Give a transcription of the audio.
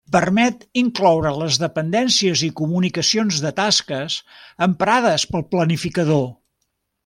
Permet incloure les dependències i comunicacions de tasques emprades pel planificador.